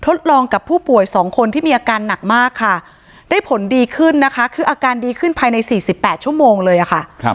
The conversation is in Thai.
ทดลองกับผู้ป่วย๒คนที่มีอาการหนักมากค่ะได้ผลดีขึ้นนะคะคืออาการดีขึ้นภายใน๔๘ชั่วโมงเลยค่ะ